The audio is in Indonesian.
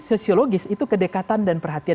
sosiologis itu kedekatan dan perhatian